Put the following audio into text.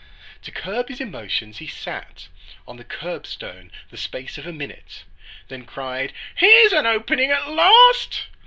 To curb his emotions, he sat On the curbstone the space of a minute, Then cried, "Here's an opening at last!"